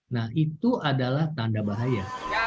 nah itu adalah tanda bahaya